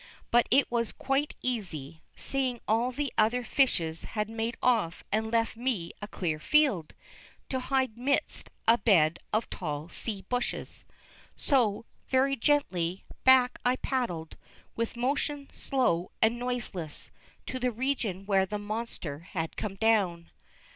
But it was quite easy, seeing all the other fishes had made off and left me a clear field, to hide midst a bed of tall sea bushes. So, very gently back I paddled, with motion slow and noiseless, to the region where the monster had come down.